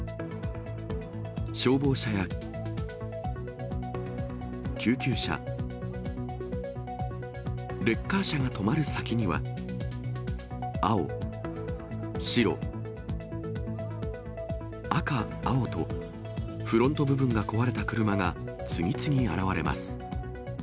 消防車や救急車、レッカー車が止まる先には、青、白、赤、青と、フロント部分が壊れた車が次々現れます。